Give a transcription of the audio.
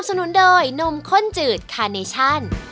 ขอบคุณค่ะ